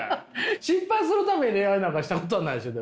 失敗するために恋愛なんかしたことないでしょ？